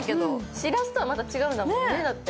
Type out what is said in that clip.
しらすとはまた違うんだもんね？